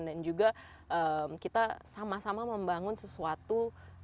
dan juga kita sama sama membangun sesuatu